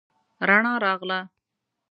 رڼا راغله